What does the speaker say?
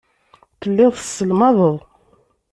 Telliḍ tesselmadeḍ.